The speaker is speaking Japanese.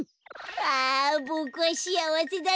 ああボクはしあわせだな。